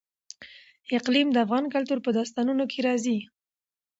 اقلیم د افغان کلتور په داستانونو کې راځي.